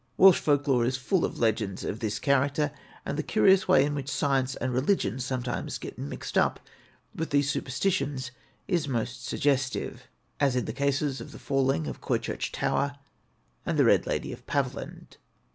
Welsh folk lore is full of legends of this character; and the curious way in which science and religion sometimes get mixed up with these superstitions is most suggestive as in the cases of the falling of Coychurch tower, and the Red Lady of Paviland.